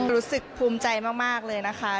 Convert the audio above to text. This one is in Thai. รู้สึกภูมิใจมากเลยนะคะ